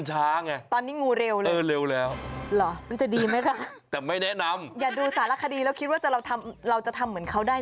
ใช่ค่ะมันก็เป็นสัตว์ที่เราบอกไว้ใจไม่ได้